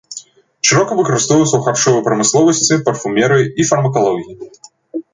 Шырока выкарыстоўваецца ў харчовай прамысловасці, парфумерыі і фармакалогіі.